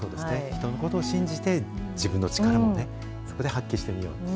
人のことを信じて、自分の力もね、そこで発揮してみようと。